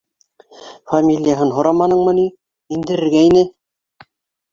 Фамилияһын һораманыңмы ни? Индерергә ине